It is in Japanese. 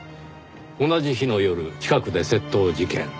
同じ日の夜近くで窃盗事件。